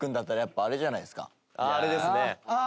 あれですね。